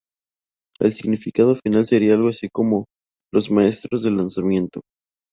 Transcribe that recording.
El significado final sería algo así como "los maestros del lanzamiento".